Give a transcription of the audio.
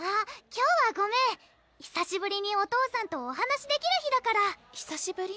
今日はごめんひさしぶりにお父さんとお話できる日だからひさしぶり？